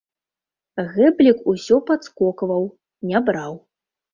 Гэблік усё падскокваў, не браў.